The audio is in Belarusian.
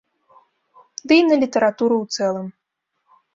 Ды і на літаратуру ў цэлым.